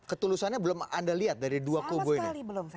ketulusannya belum anda lihat dari dua kubu ini